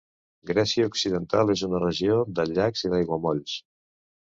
Grècia occidental és una regió de llacs i d'aiguamolls.